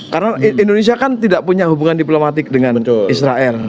karena indonesia kan tidak punya hubungan diplomatik dengan israel